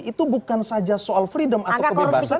itu bukan saja soal freedom atau kebebasan